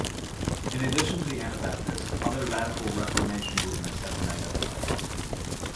In addition to the Anabaptists, other Radical Reformation movements have been identified.